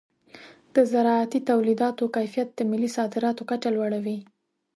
د زراعتي تولیداتو کیفیت د ملي صادراتو کچه لوړوي.